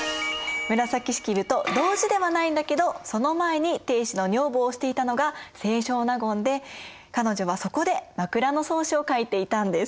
紫式部と同時ではないんだけどその前に定子の女房をしていたのが清少納言で彼女はそこで「枕草子」を書いていたんです。